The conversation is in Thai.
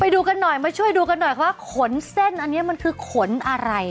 ดูกันหน่อยมาช่วยดูกันหน่อยว่าขนเส้นอันนี้มันคือขนอะไร